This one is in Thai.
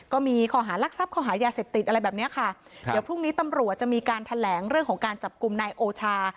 ก็มีข้อหารักทรัพย์ข้อหายาเสพติดอะไรแบบเนี้ยค่ะเดี๋ยวพรุ่งนี้ตำรวจจะมีการแถลงเรื่องของการจับกลุ่มนายโอชา